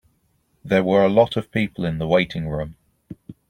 There were a lot of people in the waiting room.